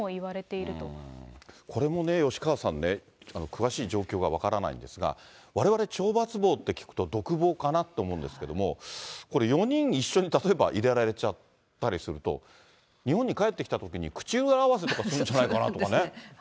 これもね、吉川さんね、詳しい状況が分からないんですが、われわれ、懲罰房って聞くと独房かなと思うんですけども、４人一緒に、例えば入れられちゃったりすると、日本に帰ってきたときに、口裏合わせとかするんじゃないかとかね。